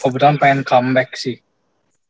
kebetulan pengen comeback sih